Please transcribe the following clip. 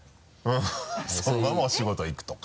そのままお仕事行くとか。